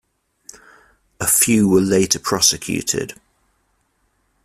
A few were later prosecuted.